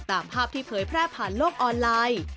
ตามภาพที่เผยแพร่ผ่านโลกออนไลน์